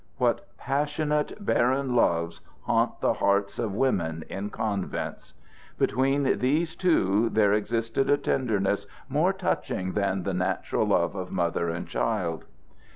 What passionate, barren loves haunt the hearts of women in convents! Between these two there existed a tenderness more touching than the natural love of mother and child.